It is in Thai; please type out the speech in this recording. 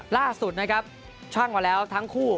ล่าสุดชั่งจริงแล้วทั้งคู่